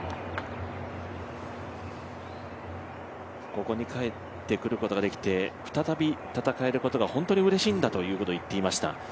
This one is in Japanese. ここに帰ってくることができて再び戦えることが本当にうれしいんだということを言っていました。